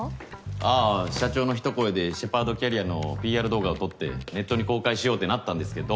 あぁ社長の一声でシェパードキャリアのＰＲ動画を撮ってネットに公開しようってなったんですけど。